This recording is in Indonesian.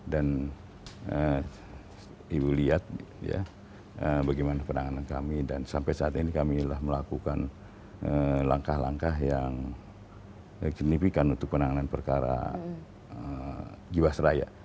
dan ibu lihat ya bagaimana penanganan kami dan sampai saat ini kami melakukan langkah langkah yang signifikan untuk penanganan perkara jiwasraya